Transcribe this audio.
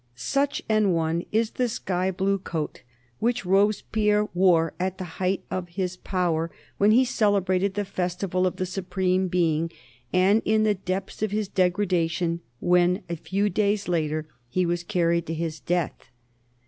Such an one is the sky blue coat which Robespierre wore at the height of his power when he celebrated the festival of the Supreme Being, and in the depths of his degradation when a few days later he was carried to his death.